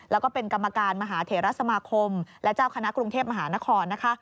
แล้วก็เป็นกรรมการมหาเถระสมาคมและเจ้าคณะกรุงเทพมหานครนะคะ